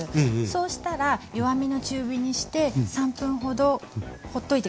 そうしたら弱めの中火にして３分ほどほっといて下さい。